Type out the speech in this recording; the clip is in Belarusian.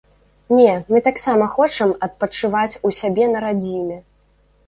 Не, мы таксама хочам адпачываць у сябе на радзіме.